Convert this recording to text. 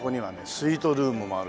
スイートルームもあるし